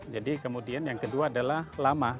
jadi kemudian yang kedua adalah lama